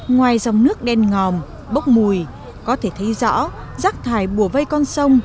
ngoài dòng nước đen ngòm bốc mùi có thể thấy rõ rác thải bùa vây con sông